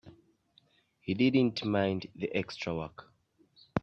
He didn't mind the extra work.